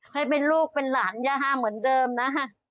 ให้เป็นลูกเป็นหลานย่าเหมือนเดิมนะ